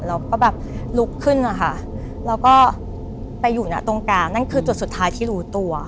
เราก็แบบลุกขึ้นนะคะแล้วก็ไปอยู่นะตรงกลางนั่นคือจุดสุดท้ายที่รู้ตัว